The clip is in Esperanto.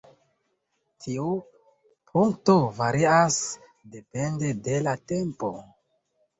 Tiu punkto varias depende de la tempo.